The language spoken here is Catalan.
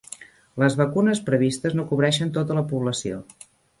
Les vacunes previstes no cobreixen tota la població.